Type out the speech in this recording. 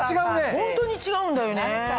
ホントに違うんだよね。